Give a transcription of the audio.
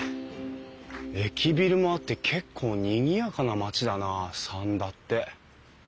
駅ビルもあって結構にぎやかな町だな三田って。